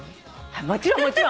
もちろんもちろん！